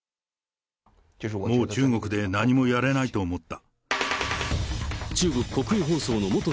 もう中国で何もやれないと思った。